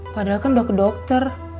padahal kan udah ke dokter